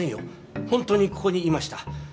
ほんとにここにいました。